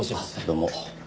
どうも。